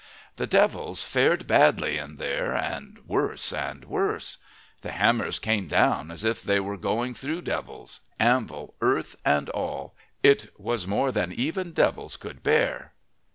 The devils fared badly in there, and worse and worse. The hammers came down as if they were going through devils, anvil, earth, and all. It was more than even devils could bear.